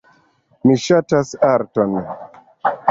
Mi ŝatas arton.